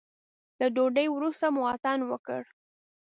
له ډوډۍ وروسته مو اتڼ وکړ.